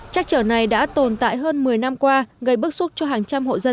trách trở này đã tồn tại hơn một mươi năm qua gây bức xúc cho hàng trăm hộ dân